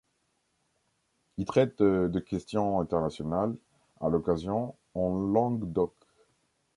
Il traite de questions internationales, à l’occasion, en langue d’oc.